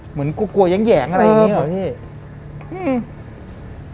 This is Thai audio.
เหมือนกลัวแหงอะไรอย่างนี้เหรอ